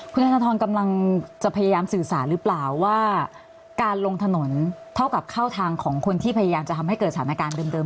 คุณธนทรกำลังจะพยายามสื่อสารหรือเปล่าว่าการลงถนนเท่ากับเข้าทางของคนที่พยายามจะทำให้เกิดสถานการณ์เดิม